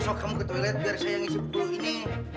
sok kamu ke toilet biar saya ngisi buku ini